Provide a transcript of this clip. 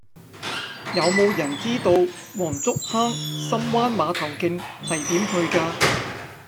有無人知道黃竹坑深灣碼頭徑係點去㗎